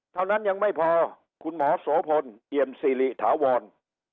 เท่านั้นยังไม่พอคุณหมอโสพลเอี่ยมสิริถาวร